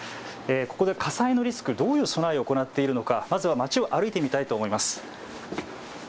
ここで火災のリスク、どういう備えを行っているのかまずは町を歩いてみたいと思います。